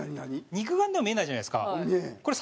肉眼では見えないじゃないですか。